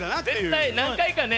絶対何回かね